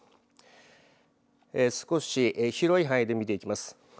少し広い範囲で見ていきます。